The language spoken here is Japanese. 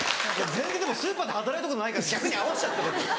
全然スーパーで働いたことないから逆に合わせちゃって僕。